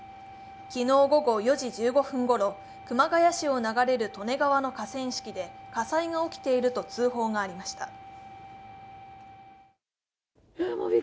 昨日午後４時１５分ごろ、熊谷市を流れる利根川の河川敷で火災が起きていると通報がありました。